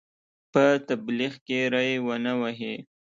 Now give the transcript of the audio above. په تبلیغ کې ری ونه وهي.